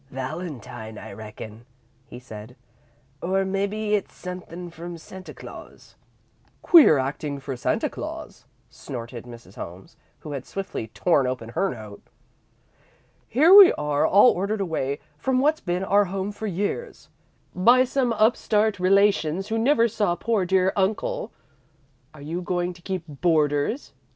"Valentine, I reckon," he said, "or mebbe it's sunthin' from Santa Claus." "Queer acting for Santa Claus," snorted Mrs. Holmes, who had swiftly torn open her note. "Here we are, all ordered away from what's been our home for years, by some upstart relations who never saw poor, dear uncle. Are you going to keep boarders?"